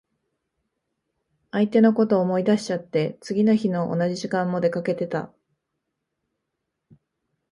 相手のこと思い出しちゃって、次の日の同じ時間も出かけてた。